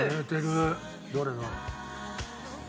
どれどれ？